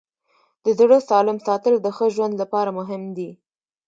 د زړه سالم ساتل د ښه ژوند لپاره مهم دي.